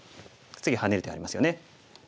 次ハネる手ありますよね。